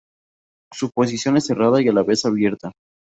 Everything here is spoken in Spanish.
Su posición es cerrada y a la vez abierta.